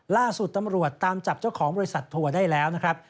ล่าสุดตำรวจตามจับเจ้าของบริษัททัวร์ได้แล้วนะครับ